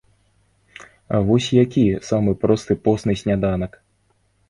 Вось які самы просты посны сняданак?